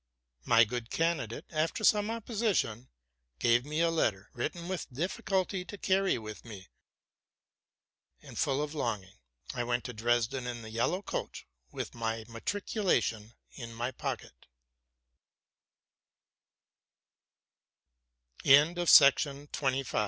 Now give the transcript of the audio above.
My good candidate, after some opposition, gave me a letter, written with difficulty, to carry with me; and, full of longing, I went to Dresden in the yellow coach, with my matriculation in my pocket.